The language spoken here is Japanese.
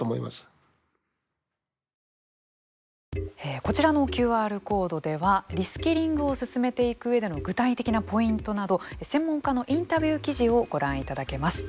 こちらのＱＲコードではリスキリングを進めていく上での具体的なポイントなど専門家のインタビュー記事をご覧いただけます。